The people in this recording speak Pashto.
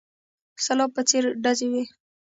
سلاب په څېر ډزې وې.